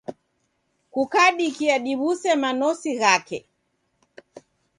Kukadikia diw'use manosi ghake.